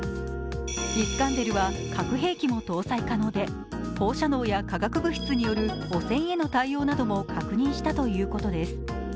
イスカンデルは核兵器も搭載可能で、放射能や化学物質による汚染への対応も確認したということです。